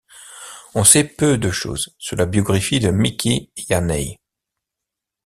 On sait peu de choses sur la biographie de Micky Yanai.